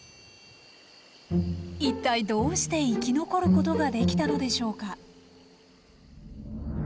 いったいどうして生き残ることができたのでしょうか。